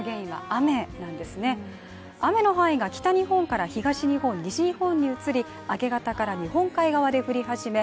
雨の範囲が北日本から東日本、西日本に移り明け方から日本海側で降り始め